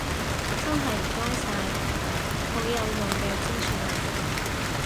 真係唔該晒，好有用嘅資訊啊